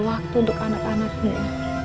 waktu untuk anak anaknya